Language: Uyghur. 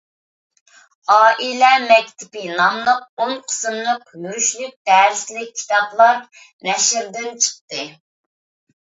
«ئائىلە مەكتىپى» ناملىق ئون قىسىملىق يۈرۈشلۈك دەرسلىك كىتابلار نەشردىن چىقتى.